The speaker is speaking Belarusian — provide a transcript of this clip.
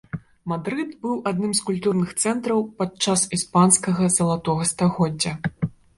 Мадрыд быў адным з культурных цэнтраў падчас іспанскага залатога стагоддзя.